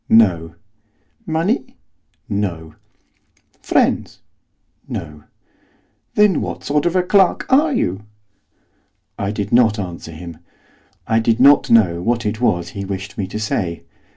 'No.' 'Money?' 'No.' 'Friends?' 'No.' 'Then what sort of a clerk are you?' I did not answer him, I did not know what it was he wished me to say.